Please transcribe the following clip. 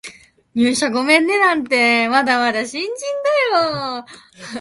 入社五年目なんてまだまだ新人だよ